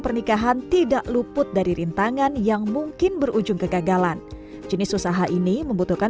pernikahan tidak luput dari rintangan yang mungkin berujung kegagalan jenis usaha ini membutuhkan